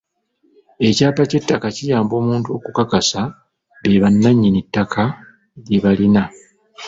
Ekyapa ky'ettaka kiyamba omuntu okukakasa be bannannyini ttaka lye balina.